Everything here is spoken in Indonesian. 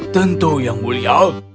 tentu yang mulia